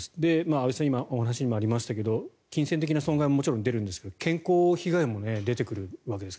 安部さん、今お話にありましたが金銭的に被害もありますが健康被害も出てくるわけです。